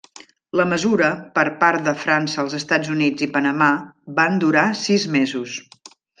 La mesura, per part de França, els Estats Units i Panamà, van durar sis mesos.